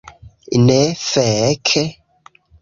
Ne, fek'